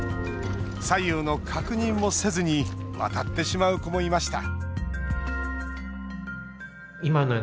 左右の確認もせずに渡ってしまう子もいました